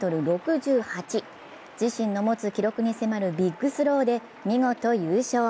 自身の持つ記録に迫るビッグスローで見事優勝。